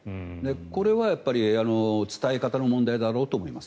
これは伝え方の問題だろうと思います。